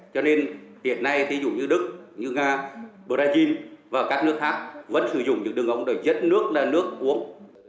cho nên hiện nay ví dụ như đức như nga brazil và các nước khác vẫn sử dụng những đường ống dẫn nước là nước uống